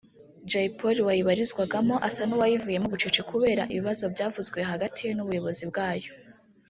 Jay Polly wayibarizwagamo asa n’uwayivuyemo bucece kubera ibibazo byavuzwe hagati ye n’ubuyobozi bwayo